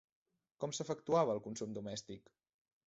Com s'efectuava el consum domèstic?